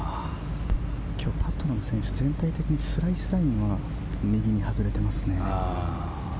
今日、パットナム選手は全体的にスライスラインは右に外れてますね。